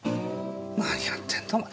何やってんだお前。